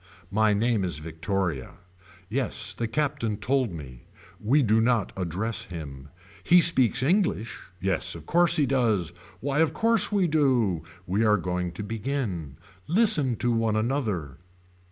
My name is Victoria. Yes the Captain told me. We do not address him. He speaks English. Yes of course he does. Why of course we do. We are going to begin. Listen to one another.